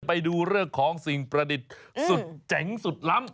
ไปดูเรื่องของสิ่งประดิษฐ์สุดเจ๋งสุดล้ำ